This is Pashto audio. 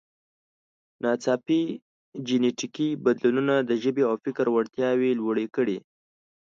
ناڅاپي جینټیکي بدلونونو د ژبې او فکر وړتیاوې لوړې کړې.